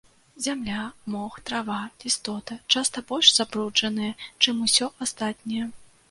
Зямля, мох, трава, лістота часта больш забруджаныя, чым усё астатняе.